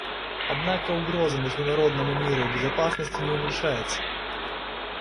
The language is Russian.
Однако угроза международному миру и безопасности не уменьшается.